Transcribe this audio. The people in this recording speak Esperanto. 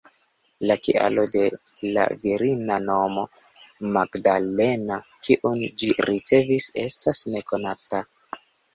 La kialo de la virina nomo, ""Magdalena"", kiun ĝi ricevis, estas nekonata.